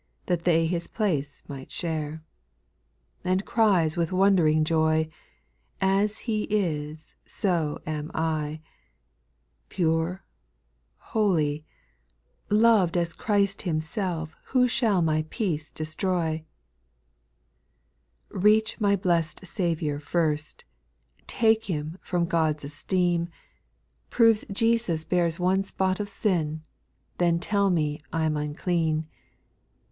That they His place might share ;— 5. And cries with wondering joy, " As He is so am I," Pure, holy, loved as Christ Himself Who shall my peace destroy ? 6 Reach my blest Saviour first. Take Him from God's esteem, SPIRITUAL SONGS. 268 Proves Jesus bears one spot of sin, Then tell me I 'in unclean.